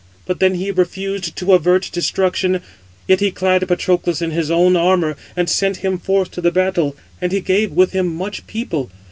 But then he refused to avert destruction, yet he clad Patroclus in his own armour, and sent him forth to the battle, and he gave with him much people.